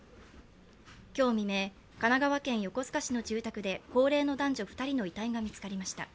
今日未明、神奈川県横須賀市の住宅で高齢の男女２人の遺体が見つかりました。